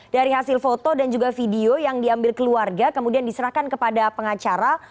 dari hasil foto dan juga video yang diambil keluarga kemudian diserahkan kepada pengacara